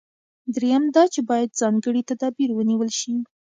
درېیم دا چې باید ځانګړي تدابیر ونیول شي.